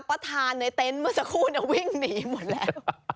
ประธานในเต็นต์เมื่อสักครู่วิ่งหนีหมดแล้ว